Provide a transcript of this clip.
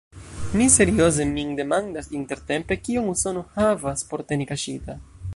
Mi serioze min demandas intertempe: kion Usono havas por teni kaŝita?